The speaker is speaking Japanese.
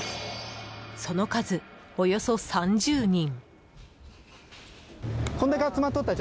その数、およそ３０人。